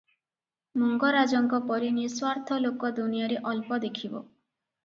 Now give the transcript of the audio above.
ମଙ୍ଗରାଜଙ୍କ ପରି ନିସ୍ୱାର୍ଥ ଲୋକ ଦୁନିଆରେ ଅଳ୍ପ ଦେଖିବ ।